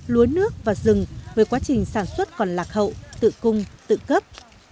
lúa nước và rừng với quá trình sản xuất còn lạc hậu tự cung tự cấp